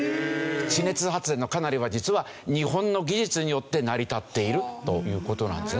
地熱発電のかなりは実は日本の技術によって成り立っているという事なんですね。